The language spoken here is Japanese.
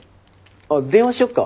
あっ電話しよっか？